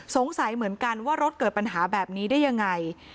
สงสัยเหมือนกันว่ารถเกิดปัญหาแบบนี้ได้ยังไง